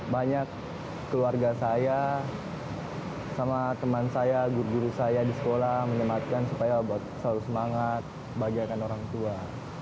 banyak keluarga saya sama teman saya guru guru saya di sekolah menyematkan supaya selalu semangat bahagiakan orang tua